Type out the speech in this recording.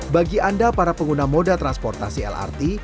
bagi anda para pengguna moda transportasi lrt